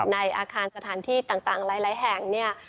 ในอาคารสถานที่ต่างหลายแห่งเนี่ย